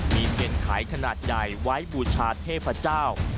มีเทียนไขขนาดใหญ่ไว้บูชาเทพเจ้า